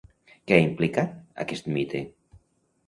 Què ha implicat, aquest mite?